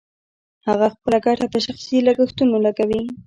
هغه خپله ګټه په شخصي لګښتونو لګوي